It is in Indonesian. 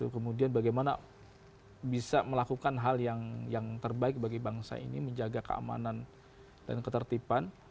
kemudian bagaimana bisa melakukan hal yang terbaik bagi bangsa ini menjaga keamanan dan ketertiban